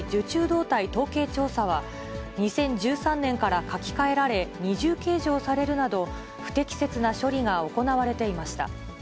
動態統計調査は、２０１３年から書き換えられ、二重計上されるなど、不適切な処理が行われていました。